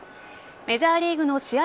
メジャーリーグの試合